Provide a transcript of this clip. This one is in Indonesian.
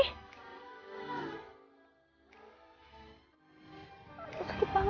sakit banget ya allah